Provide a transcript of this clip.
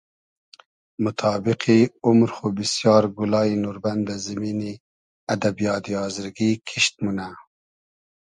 موتابیقی اومر خو بیسیار گولایی نوربئن دۂ زیمینی ادبیاتی آزرگی کیشت مونۂ